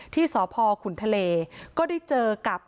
ที่สพขุนทะเลก็ได้เจอกับ